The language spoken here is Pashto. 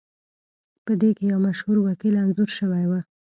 پدې کې یو مشهور وکیل انځور شوی و